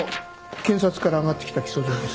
検察からあがってきた起訴状です。